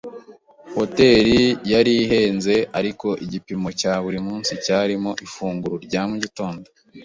Hoteri yari ihenze, ariko igipimo cya buri munsi cyarimo ifunguro rya mugitondo.